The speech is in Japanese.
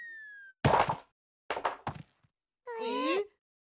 えっ？